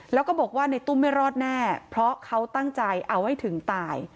แล้วก็บอกว่าในตุ้มไม่รอดแน่เพราะเขาตั้งใจเอาให้ถึงตาย